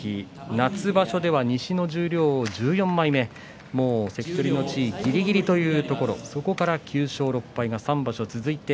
夏場所では西の十両１４枚目関取の地位ぎりぎりというところそこから９勝６敗と３場所続きました。